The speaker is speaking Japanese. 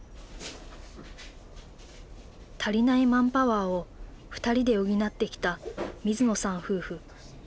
足りないマンパワーを２人で補ってきた水野さん夫婦。